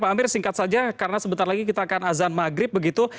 pak amir singkat saja karena sebentar lagi kita akan azan maghrib begitu